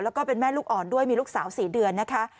แล้วก็เป็นแม่ลูกอ่อนด้วยมีลูกสาว๔เดือนนะคะ